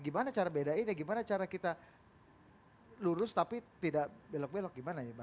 gimana cara bedainya gimana cara kita lurus tapi tidak belok belok gimana ya bang edar